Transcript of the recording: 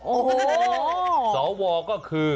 โอ้โฮสอวรก็คือ